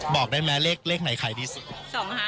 บอกได้ไหมเลขไหนขายดีสุด